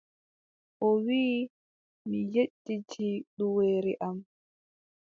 O wii, mi yejjiti duweere am.